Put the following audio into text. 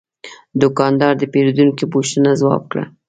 دوکاندار د پیرودونکي پوښتنه ځواب کړه.